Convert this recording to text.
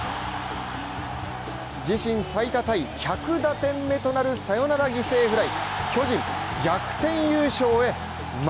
自身最多タイ１００打点目となるサヨナラ犠牲フライ。